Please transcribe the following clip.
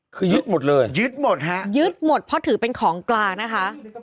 คือยึดหมดเลยยึดหมดฮะยึดหมดเพราะถือเป็นของกลางนะคะ